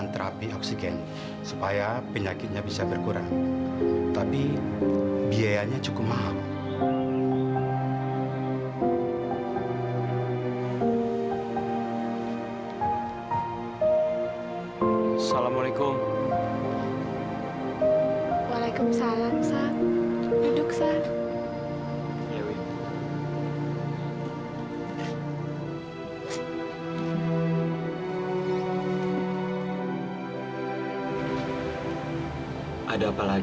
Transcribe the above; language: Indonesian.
sampai jumpa di video selanjutnya